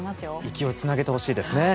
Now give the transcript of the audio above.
勢いをつなげてほしいですね。